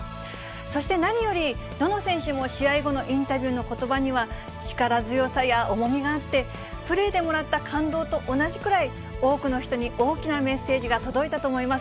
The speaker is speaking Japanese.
そして、何より、どの選手も、試合後のインタビューのことばには、力強さや重みがあって、プレーでもらった感動と同じくらい、多くの人に大きなメッセージが届いたと思います。